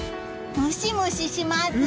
ムシムシします。